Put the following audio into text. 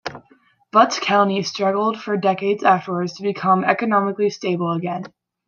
Butts County struggled for decades afterwards to become economically stable again.